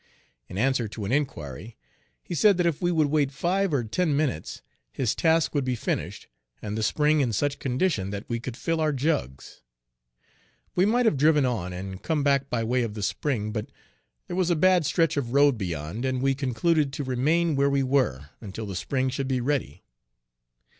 In answer to an inquiry he said that if we would wait five or ten minutes, his task would be finished and the spring in such condition that we could fill our jugs. We might have driven on, and come back by way of the spring, but there was a bad stretch of road beyond, and we concluded to remain where we were until the spring should be ready.